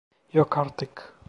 Yok artık.